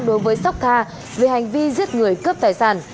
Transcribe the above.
đối với sóc tha về hành vi giết người cướp tài sản